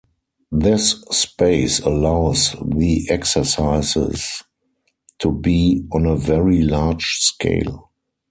This space allows the exercises to be on a very large scale.